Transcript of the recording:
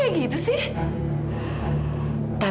masa ada spentoh